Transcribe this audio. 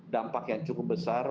dampak yang cukup besar